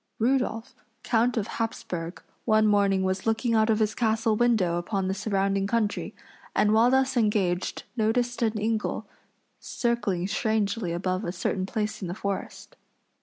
Rudolph, count of Hapsburg, one morning was looking out of his castle window upon the surrounding country, and while thus engaged noticed an eagle circling strangely above a certain place in the forest.